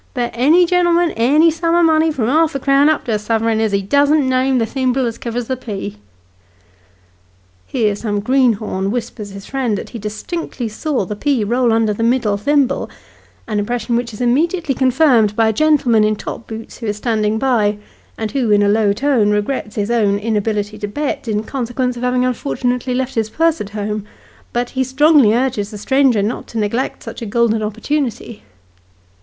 Bet any gen'lm'n any sum of money, from harf a crown up to a suverin, as he doesn't name the thimble as kivers the pea !" Here some greenhorn whispers his friend that he distinctly saw the pea roll under the middle thimble an impression which is immediately confirmed by a gentleman in top boots, who is standing by, and who, in a low tone, regrets his own Greenwich Park. 83 inability to bet, in consequence of having unfortunately left his purse at home, but strongly urges the stranger not to neglect such a golden opportunity.